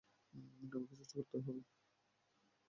আমাকে চেষ্টা করতেই হবে।